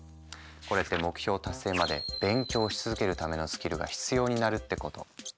これって目標達成まで勉強し続けるためのスキルが必要になるってこと。